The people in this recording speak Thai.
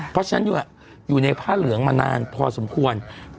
เพราะฉะนั้นอยู่ในผ้าเหลืองมานานพอสมควร